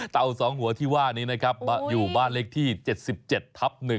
๒หัวที่ว่านี้นะครับอยู่บ้านเลขที่๗๗ทับ๑